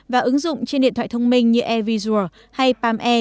và ứng dụng trên điện thoại thông minh như airvisual hay pam air